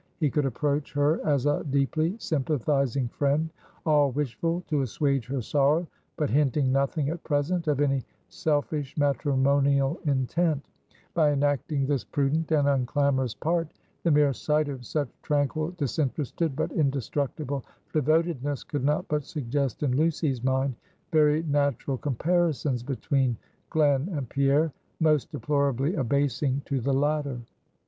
He could approach her as a deeply sympathizing friend, all wishful to assuage her sorrow, but hinting nothing, at present, of any selfish matrimonial intent; by enacting this prudent and unclamorous part, the mere sight of such tranquil, disinterested, but indestructible devotedness, could not but suggest in Lucy's mind, very natural comparisons between Glen and Pierre, most deplorably abasing to the latter.